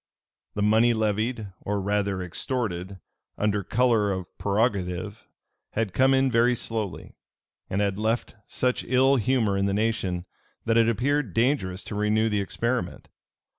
The money levied, or rather extorted, under color of prerogative, had come in very slowly, and had left such ill humor in the nation, that it appeared dangerous to renew the experiment.